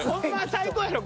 最高やろ